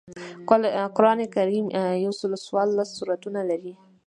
قران کریم یوسل او څوارلس سورتونه لري